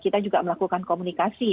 kita juga melakukan komunikasi